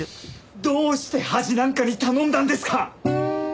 どうして土師なんかに頼んだんですか！